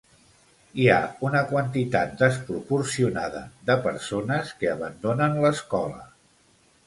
Hi ha una quantitat desproporcionada de persones que abandonen l'escola.